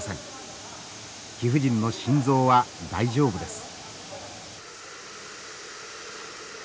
貴婦人の心臓は大丈夫です。